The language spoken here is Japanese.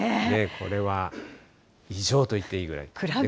これは異常といっていいぐらい。